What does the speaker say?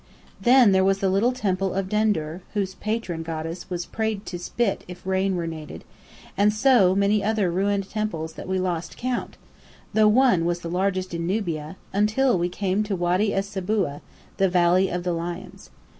Then there was the little Temple of Dendur, whose patron goddess was prayed to spit if rain were needed; and so many other ruined temples that we lost count (though one was the largest in Nubia) until we came to Wadi es Sabuá, "the Valley of the Lions."